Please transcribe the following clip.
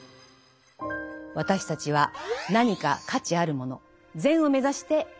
私たちは何か価値あるもの「善」を目指して行動している。